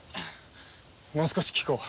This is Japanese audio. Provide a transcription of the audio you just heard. もう少し聞こう。